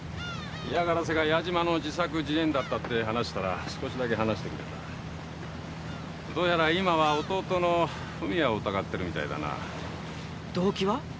嫌がらせが矢島の自作自演だったって話したら少しだけ話してくれたどうやら今は弟の史也を疑ってるみたいだな動機は？